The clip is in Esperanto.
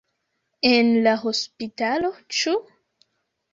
En la hospitalo, ĉu?